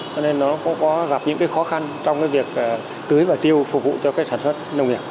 cho nên nó cũng có gặp những cái khó khăn trong cái việc tưới và tiêu phục vụ cho cái sản xuất nông nghiệp